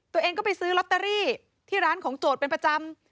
ตัวเองก็ไปซื้อลอตเตอรี่ที่ร้านของโจทย์เป็นประจำ